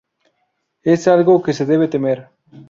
Es algo que se debe temer.